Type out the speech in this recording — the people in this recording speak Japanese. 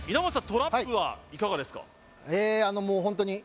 トラップはいかがですか？